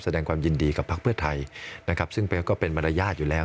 แสดงความยินดีกับพักเพื่อไทยนะครับซึ่งก็เป็นมารยาทอยู่แล้ว